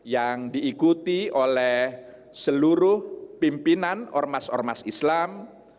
yang diikuti oleh seluruh pimpinan ormas ormas islam